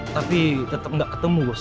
tapi tetep gak ketemu bos